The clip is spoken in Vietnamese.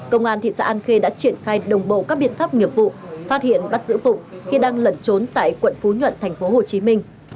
công an thị xã an khê đã triển khai đồng bộ các biện pháp nghiệp vụ phát hiện bắt giữ phụng khi đang lẩn trốn tại quận phú nhuận tp hcm